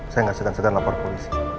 saya gak sedang sedang lapor polisi